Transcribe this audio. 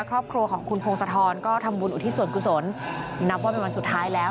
ครอบครัวของคุณพงศธรก็ทำบุญอุทิศส่วนกุศลนับว่าเป็นวันสุดท้ายแล้ว